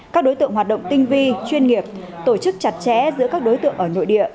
các đối tượng hoạt động tinh vi chuyên nghiệp tổ chức chặt chẽ giữa các đối tượng ở nội địa